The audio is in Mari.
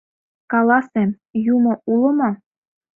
— Каласе: юмо уло мо?